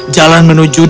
jalan menuju di